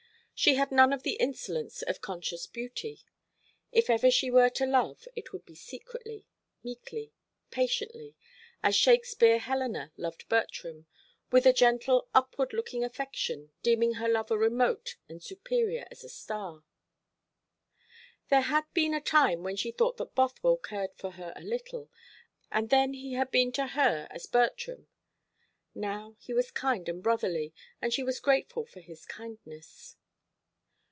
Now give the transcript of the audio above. She had none of the insolence of conscious beauty. If ever she were to love, it would be secretly, meekly, patiently, as Shakespeare's Helena loved Bertram, with a gentle upward looking affection, deeming her lover remote and superior as a star. There had been a time when she thought that Bothwell cared for her a little, and then he had been to her as Bertram. Now he was kind and brotherly, and she was grateful for his kindness.